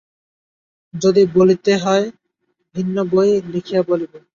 যদি বলিতে হয় ভিন্ন বই লিখিয়া বলিব।